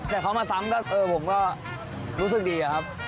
แต่เขามาซ้ำก็เออผมก็รู้สึกดีอะครับ